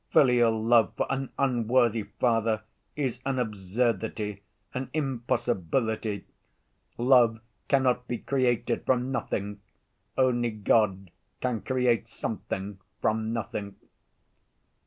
Filial love for an unworthy father is an absurdity, an impossibility. Love cannot be created from nothing: only God can create something from nothing.